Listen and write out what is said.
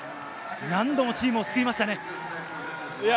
何度もチームを救いましたね。